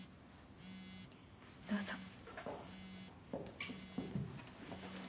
どうぞ。